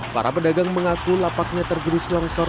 para pedagang mengaku lapaknya tergerus longsor